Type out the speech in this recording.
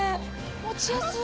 持ちやすい。